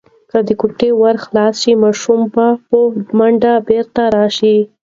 که د کوټې ور خلاص شي، ماشوم به په منډه بیرته راشي.